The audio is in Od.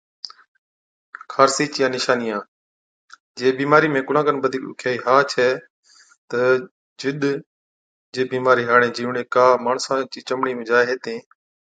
خارسي چِيا نِشانِيا، جي بِيمارِي ۾ ڪُلان کن بڌِيڪ ڏُکيائِي ها ڇَي تہ جِڏ جي بِيمارِي هاڙين جِيوڙين ڪا ماڻسا چِي چمڙِي ۾ جائي هِتين